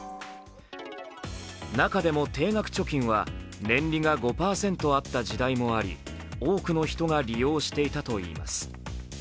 中でも定額貯金は年利が５％あった時代もあり、多くの人が利用していたといいます。